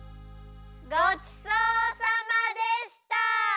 ごちそうさまでした！